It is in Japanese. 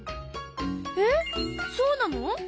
えっそうなの？